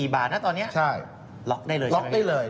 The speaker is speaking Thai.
๓๔บาทตอนนี้ล็อกได้เลยใช่ไหมครับใช่ล็อกได้เลย